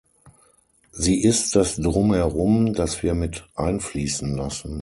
Sie ist das Drumherum, das wir mit einfließen lassen.